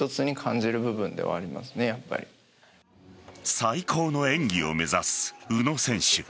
最高の演技を目指す宇野選手。